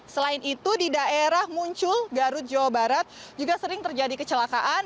selain itu di daerah muncul garut jawa barat juga sering terjadi kecelakaan